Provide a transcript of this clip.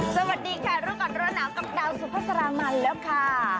สวัสดีค่ะรู้ก่อนร้อนหนาวกับดาวสุภาษามันแล้วค่ะ